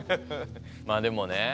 まあでもね